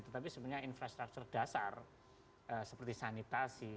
tetapi sebenarnya infrastruktur dasar seperti sanitasi